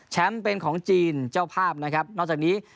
เป็นของจีนเจ้าภาพนะครับนอกจากนี้